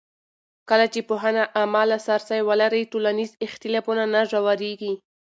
کله چې پوهنه عامه لاسرسی ولري، ټولنیز اختلافونه نه ژورېږي.